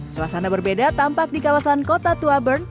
suasana berbeda tampak di kawasan kota tua bern